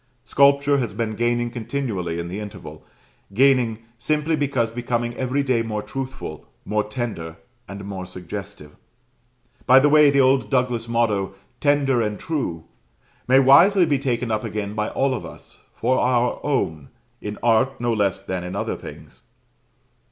Sculpture has been gaining continually in the interval; gaining, simply because becoming every day more truthful, more tender, and more suggestive. By the way, the old Douglas motto, "Tender and true," may wisely be taken up again by all of us, for our own, in art no less than in other things.